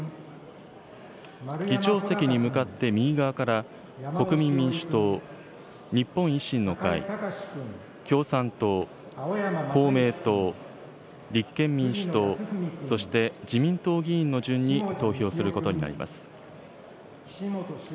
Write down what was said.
議長席に向かって右側から国民民主党、日本維新の会、共産党、公明党、立憲民主党、そして自民党議員の順に投票することになります。